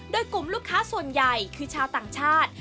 โดยกลุ่มลูกค้าส่วนใหญ่คือชาวต่างชาติ